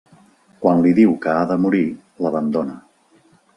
Quan li diu que ha de morir, l'abandona.